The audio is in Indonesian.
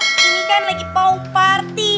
ini kan lagi pau party